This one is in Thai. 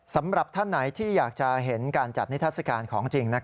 สำหรับท่านไหนที่อยากจะเห็นการจัดนิทัศกาลของจริง